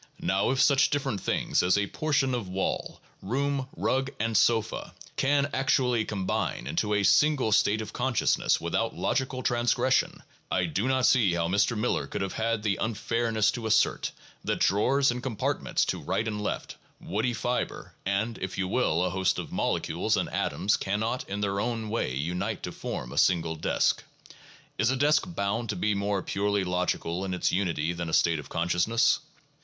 2 Now if such different things as portions of wall, room, rug, and sofa, can actually combine into a "single state of consciousness" without logical transgression, I do not see how Mr. Miller could have had the unfairness to assert that drawers and compartments to right and left, woody fiber, and, if you will, a host of molecules and atoms cannot in their own way unite to form a single desk. Is a desk bound to be more purely logical in its unity than a state of consciousness?